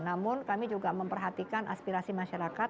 namun kami juga memperhatikan aspirasi masyarakat